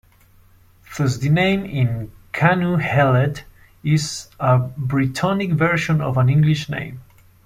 Thus the name in "Canu Heledd" is a Brittonic version of an English name.